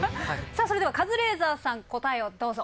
さあそれではカズレーザーさん答えをどうぞ。